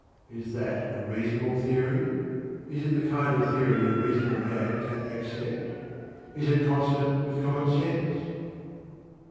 Is that a reasonable theory? Is it the kind of theory a reasonable man can accept? Is it consonant with common sense?